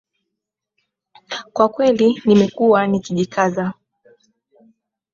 Kwa kweli nimekuwa nikijikaza